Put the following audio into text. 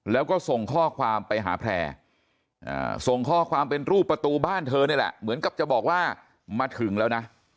แล้วก็ส่งข้อความไปหาแพร่ส่งข้อความเป็นรูปประตูบ้านเธอนี่แหละเหมือนกับจะบอกว่ามาถึงแล้วนะ